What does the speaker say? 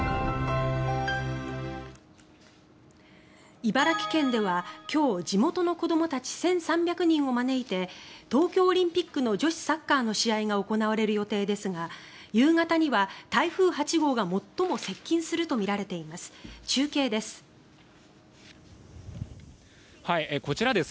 茨城県では今日地元の子どもたち１３００人を招いて東京オリンピックの女子サッカーの試合が行われる予定ですが夕方には台風８号が最も接近するとみられています。